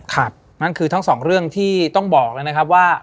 นั่นคือทั้งสองเรื่องที่ต้องบอกแล้วนะครับว่า